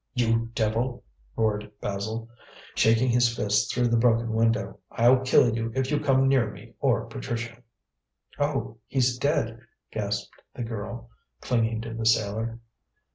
"You devil!" roared Basil, shaking his fist through the broken window. "I'll kill you if you come near me or Patricia!" "Oh, he's dead!" gasped the girl, clinging to the sailor.